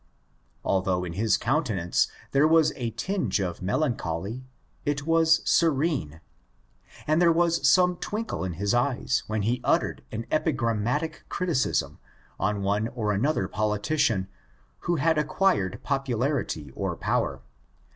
Although in his countenance there was a tinge of melancholy, it was serene; and there was some twinkle in his eyes when he uttered an epigrammatic criti cism on one or another politician who had acquired popularity or power.